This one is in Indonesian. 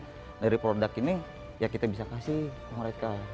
nah dari produk ini ya kita bisa kasih ke mereka